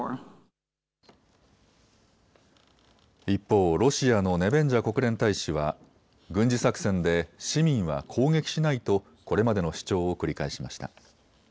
一方、ロシアのネベンジャ国連大使は軍事作戦で市民は攻撃しないとこれまでの主張を繰り返しました。